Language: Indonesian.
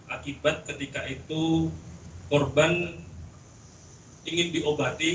akibat ketika itu korban ingin diobati